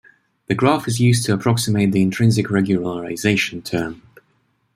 The graph is used to approximate the intrinsic regularization term.